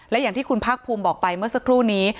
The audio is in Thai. และอย่างที่คุณภาคภูมิบอกไปเมื่อสักครู่นี้